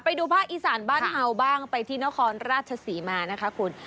ไปดูภาคอีสานบ้านเห่าบ้างไปที่นครราชศรีมานะคะคุณ